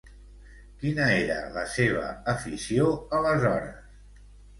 Quina era la seva afició aleshores?